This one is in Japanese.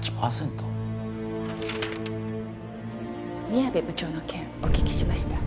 宮部部長の件お聞きしました。